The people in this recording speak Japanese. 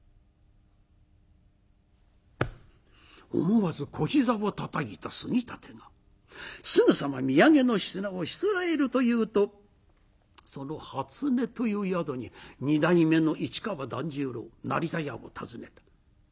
思わず小膝をたたいた杉立がすぐさま土産の品をしつらえるというとそのはつねという宿に二代目の市川團十郎成田屋を訪ねた。